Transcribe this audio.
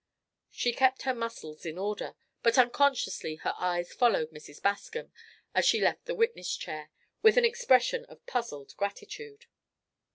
She kept her muscles in order, but unconsciously her eyes followed Mrs. Bascom, as she left the witness chair, with an expression of puzzled gratitude.